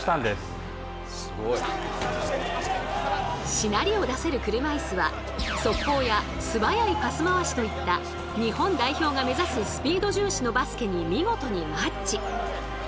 しなりを出せる車いすは速攻やすばやいパス回しといった日本代表が目指すスピード重視のバスケに見事にマッチ。